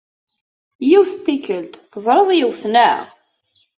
Yiwet n tikkelt, teẓrid yiwet, naɣ?